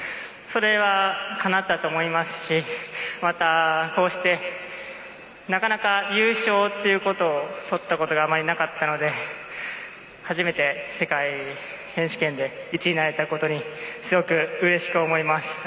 それはかなったと思いますしまた、こうしてなかなか優勝ということを取ったことがあまりなかったので初めて世界選手権で１位になれたことにすごくうれしく思います。